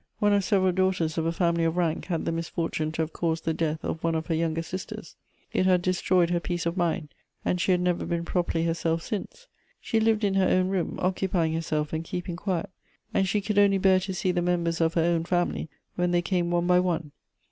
One of several daughters of a family of rank had the misfortune to have caused the death of one of her younger sisters ; it had destroyed her peace of mind, and she had never been properly herself since. She lived in her own room, occupying herself and keeping quiet ; and she could only bear to see the members of her own family when they came one by one.